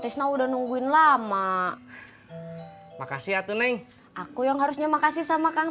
tisna udah nungguin lama makasih atuh neng aku yang harusnya makasih sama kang